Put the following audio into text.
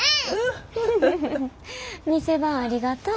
店番ありがとう。